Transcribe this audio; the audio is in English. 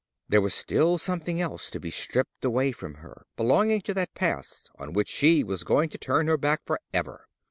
There was still something else to be stript away from her, belonging to that past on which she was going to turn her back for ever.